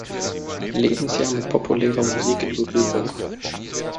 Lebensjahr mit populärer Musik in Berührung.